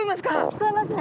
聞こえますね。